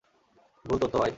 ভুল তথ্য, ভাই।